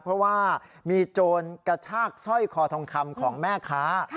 เพราะว่ามีโจรกระชากสร้อยคอทองคำของแม่ค้า